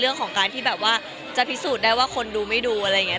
เรื่องของการที่แบบว่าจะพิสูจน์ได้ว่าคนดูไม่ดูอะไรอย่างนี้